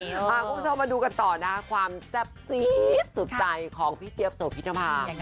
พี่เจี๊ยมนะคุณผู้ชมมาดูกันต่อนะคะความจั๊บซี่สุดใจของพี่เจ๊ยมสวบสูตรภาพ